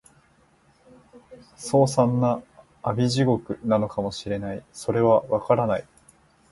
凄惨な阿鼻地獄なのかも知れない、それは、わからない